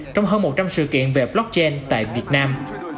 trong hơn một trăm linh sự kiện về blockchain tại việt nam